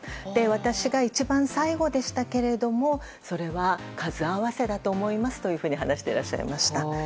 私が一番最後でしたけどもそれは、数合わせだと思いますと話していらっしゃいました。